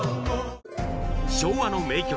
昭和の名曲！